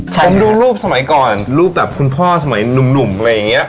ผมดูรูปสมัยก่อนรูปแบบคุณพ่อสมัยหนุ่มอะไรอย่างนี้